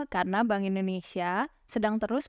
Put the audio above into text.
karena bank indonesia sedang terus